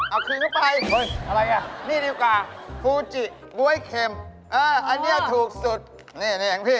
เอาคืนไปนี่ดีกว่าฟูจิบ๊วยเค็มอันนี้ถูกสุดนี่พี่อันนี้ไป